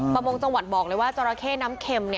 ประมงจังหวัดบอกเลยว่าจราเข้น้ำเข็ม